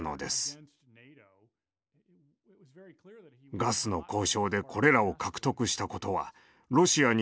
ガスの交渉でこれらを獲得したことはロシアにとって歴史的な勝利でした。